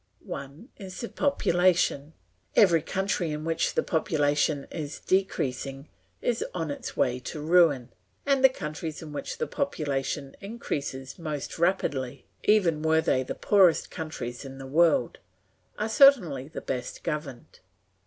One is the population. Every country in which the population is decreasing is on its way to ruin; and the countries in which the population increases most rapidly, even were they the poorest countries in the world, are certainly the best governed.